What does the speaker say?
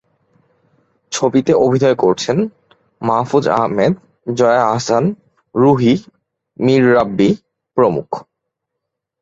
ছবিতে অভিনয় করছেন মাহফুজ আহমেদ, জয়া আহসান, রুহি, মীর রাব্বি প্রমুখ।